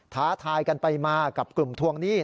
ท้าทายกันไปมากับกลุ่มทวงหนี้